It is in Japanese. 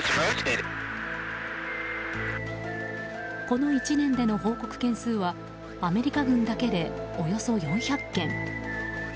この１年での報告件数はアメリカ軍だけでおよそ４００件。